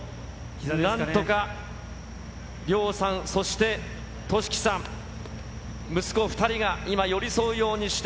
なんとか、凌央さん、そして隼輝さん、息子２人が今寄り添うようにして。